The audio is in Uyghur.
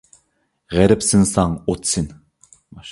غېرىبسىنساڭ ئوتسىن.